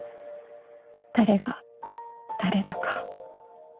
「誰が誰だか」